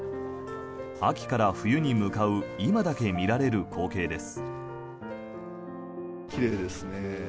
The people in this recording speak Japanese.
秋から冬に向かう今だけ見られる光景です。